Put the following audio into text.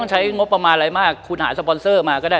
เฉพาะคำนักที่